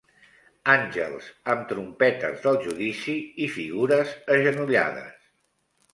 Àngels amb trompetes del judici i figures agenollades